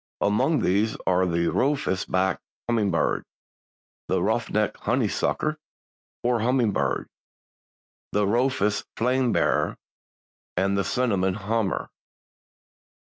Among these are the "Rufous backed Hummingbird," the "Ruff necked Honeysucker, or Hummingbird," the "Rufous Flame bearer" and the "Cinnamon Hummer."